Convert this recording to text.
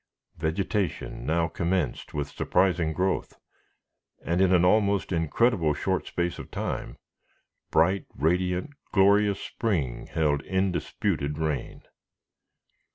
Vegetation now commenced with surprising growth, and, in an almost incredible short space of time, bright, radiant, glorious spring held indisputed reign.